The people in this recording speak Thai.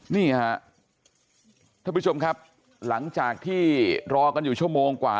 นี่ฮะท่านผู้ชมครับหลังจากที่รอกันอยู่ชั่วโมงกว่า